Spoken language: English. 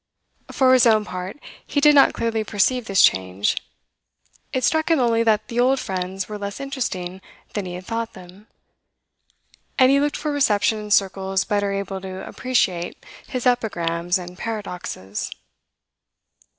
For his own part, he did not clearly perceive this change. It struck him only that the old friends were less interesting than he had thought them; and he looked for reception in circles better able to appreciate his epigrams and paradoxes.